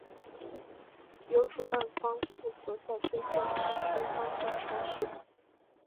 由主办方负责在分赛区当地挑选。